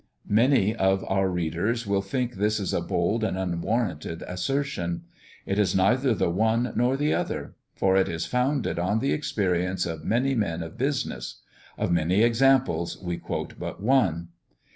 Many of our readers will think this a bold and unwarranted assertion. It is neither the one nor the other; for it is founded on the experience of many men of business. Of many examples we quote but one.